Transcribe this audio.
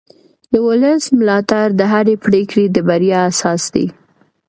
د ولس ملاتړ د هرې پرېکړې د بریا اساس دی